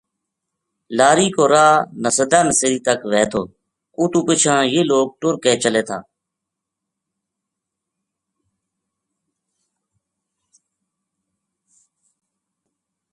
لاری کو راہ نَسدا نسیری تک وھے تھو اُتو پِچھاں یہ لوک ٹُر کے چلے تھا